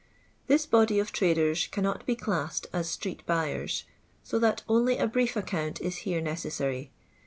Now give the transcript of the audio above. Tnis body of traders cannot be classed as street buyers, so thnt only a brief account is here neces sary.